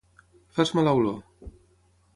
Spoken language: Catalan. Fas mala olor.